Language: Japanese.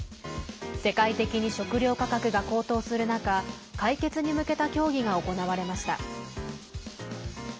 世界的に食料価格が高騰する中解決に向けた協議が行われました。